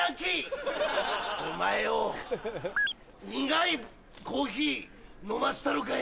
お前よぉ苦いコーヒー飲ましたろかい。